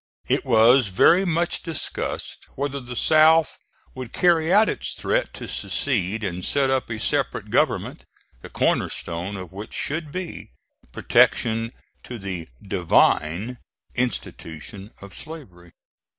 It was very much discussed whether the South would carry out its threat to secede and set up a separate government, the corner stone of which should be, protection to the "Divine" institution of slavery.